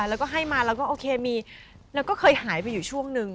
แล้วก็ให้มาแล้วก็โอเคมีแล้วก็เคยหายไปอยู่ช่วงนึง